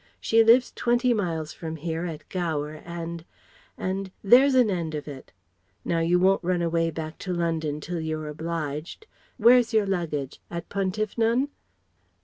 She lives twenty miles from here, at Gower and ... and ... there's an end of it.... "Now you won't run away back to London till you're obliged? Where's your luggage? At Pontyffynon?"